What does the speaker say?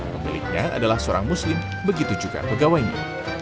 pemiliknya adalah seorang muslim begitu juga pegawainya